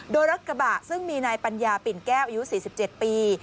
โดยรถกระบะซึ่งมีนายปัญญาปิ่นแก้วอายุ๔๗ปี